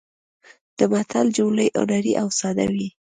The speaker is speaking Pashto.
د متل جملې هنري او ساده وي